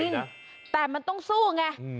จริงแต่มันต้องสู้ไง